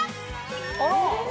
あら！